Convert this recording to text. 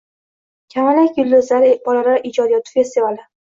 “Kamalak yulduzlari” bolalar ijodiyoti festivali